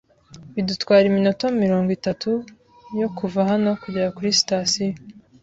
Bidutwara iminota mirongo itatu yo kuva hano kugera kuri sitasiyo.